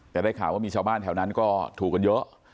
แต่ได้ข่าวว่ามีชาวบ้านแถวนั้นก็ถูกกันเยอะ